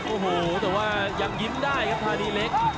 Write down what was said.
โอ้โหแต่ว่ายังยิ้มได้ครับธานีเล็ก